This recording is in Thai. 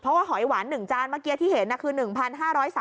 เพราะว่าหอยหวาน๑จานเมื่อกี้ที่เห็นคือ๑๕๓๐